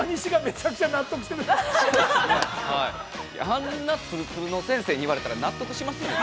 あんなつるつるの先生に言われたら納得しますよね。